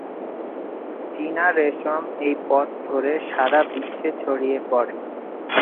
চীনা রেশম এই পথ ধরে সারা বিশ্বে ছড়িয়ে পড়ে।